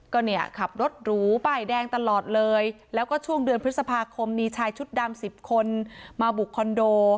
ก็เนี่ยขับรถหรูป้ายแดงตลอดเลยแล้วก็ช่วงเดือนพฤษภาคมมีชายชุดดำสิบคนมาบุกคอนโด